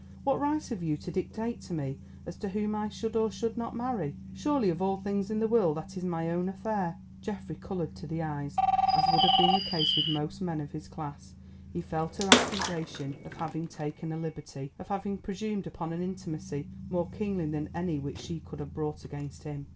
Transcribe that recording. What right have you to dictate to me as to whom I should or should not marry? Surely of all things in the world that is my own affair." Geoffrey coloured to the eyes. As would have been the case with most men of his class, he felt her accusation of having taken a liberty, of having presumed upon an intimacy, more keenly than any which she could have brought against him.